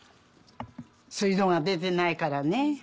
水道が出てないからね。